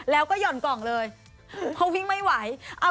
แล้วก็หย่อนกล่องเลยพอวิ่งไม่ไหว